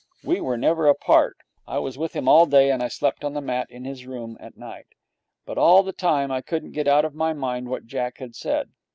We were never apart. I was with him all day, and I slept on the mat in his room at night. But all the time I couldn't get out of my mind what Jack had said.